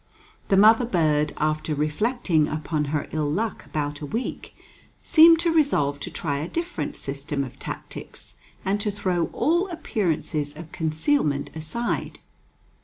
The mother bird, after reflecting upon her ill luck about a week, seemed to resolve to try a different system of tactics, and to throw all appearances of concealment aside.